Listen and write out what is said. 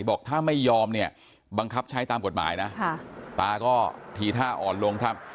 บอกถ้าไม่ยอมเนี่ยบังคับใช้ตามกฎหมายนะตาก็ทีท่าอ่อนลงครับ